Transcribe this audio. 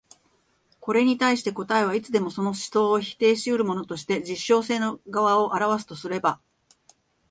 これに対して答えはいつでもその思想を否定し得るものとして実証性の側を現すとすれば、